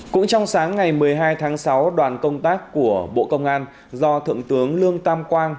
cũng trong sáng ngày một mươi hai tháng sáu đoàn công tác của bộ công an do thượng tướng lương tam quang